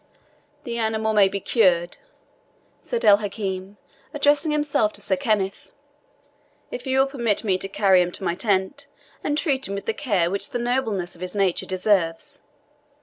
"The animal may be cured," said El Hakim, addressing himself to Sir Kenneth, "if you will permit me to carry him to my tent, and treat him with the care which the nobleness of his nature deserves.